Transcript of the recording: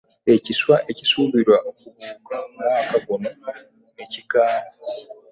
Ekiswa ekisuubirwa okubuuka omwaka guno ne kigaana.